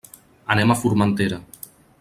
Anem a Formentera.